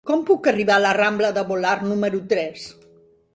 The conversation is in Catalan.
Com puc arribar a la rambla de Volart número tres?